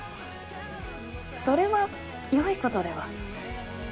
それはよいことでは？